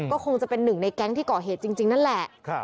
ก็คงจะเป็นหนึ่งในแก๊งที่ก่อเหตุจริงนั่นแหละ